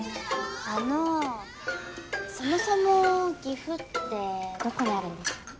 あのそもそも岐阜ってどこにあるんですか？